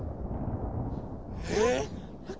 えっ！